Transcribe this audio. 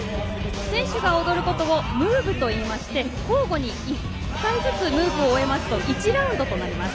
選手が踊ることをムーブといいまして交互に１回ずつムーブを終えると１ラウンドとなります。